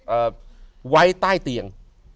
เอาไว้ใต้เตียง